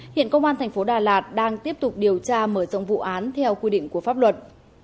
hiện công an thành phố đà lạt đang tiếp tục điều tra mở rộng vụ án theo quy định của pháp luật